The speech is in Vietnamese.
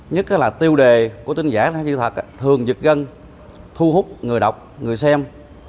nhất là tiêu đề của tin giả sai sự thật thường dịch gần thu hút người đọc người xem